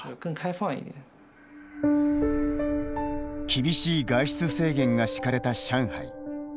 厳しい外出制限が敷かれた上海。